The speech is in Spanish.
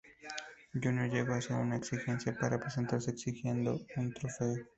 Júnior llegó a hacer una "exigencia" para presentarse: exigió un trofeo.